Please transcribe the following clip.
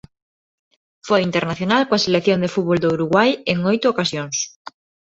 Foi internacional coa Selección de fútbol do Uruguai en oito ocasións.